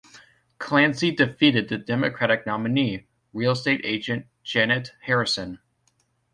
Clancy defeated the Democratic nominee, real estate agent Jeannette Harrison.